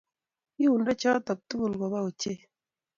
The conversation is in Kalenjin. Kiundoi choto tugul koba ochei